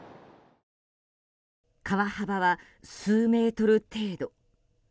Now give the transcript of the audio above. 川幅は数メートル程度。